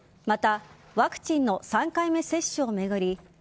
またワクチンの３回目接種を巡り